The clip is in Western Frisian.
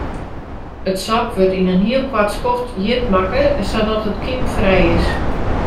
It sop wurdt yn in heel koart skoft hjit makke sadat it kymfrij is.